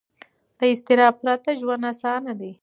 له اضطراب پرته ژوند اسانه دی.